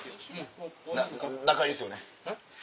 仲いいですよね。